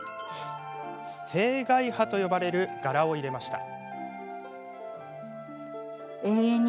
青海波と呼ばれる柄を入れました。